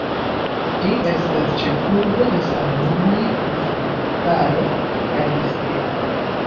Ĝi estas ĉefurbo de samnomaj distriktaro kaj distrikto.